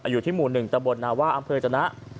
อยู่ที่หมู่หนึ่งตะบรดนะว่าอ้ำเภยจนทร์